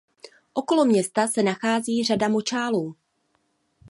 Okolo města se nachází řada močálů.